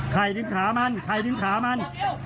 ใครดิ้งขามันใครดิ้งขามัน